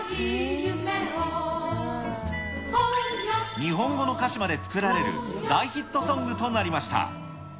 日本語の歌詞まで作られる大ヒットソングとなりました。